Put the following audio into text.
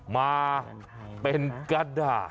มาเป็นกระดาษ